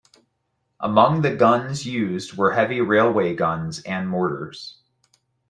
Among the guns used were heavy railway guns and mortars.